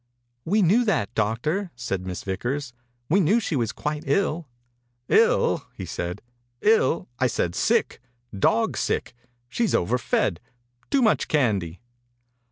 "We knew that, doctor," said Miss Vickers. "We knew she was quite ill." "111!" he said. "111! I said sick. Dog sick. She's overfed. Too much candy."